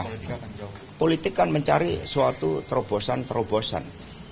politik kan mencari suatu terobosan terobosan